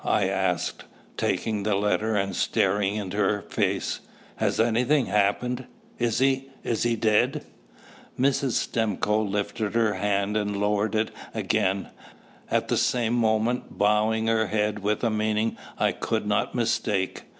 I asked, taking the letter and staring into her face. "Has anything happened? is he is he dead?" Mrs. Stimcoe lifted her hand and lowered it again, at the same moment bowing her head with a meaning I could not mistake.